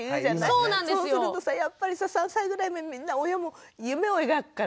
そうするとやっぱりさ３歳ぐらいでみんな親も夢を描くからね。